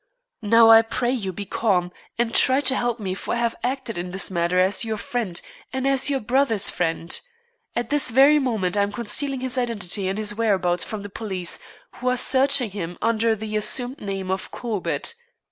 Now, I pray you, be calm, and try to help me, for I have acted in this matter as your friend and as your brother's friend. At this very moment I am concealing his identity and his whereabouts from the police, who are searching for him under the assumed name of Corbett.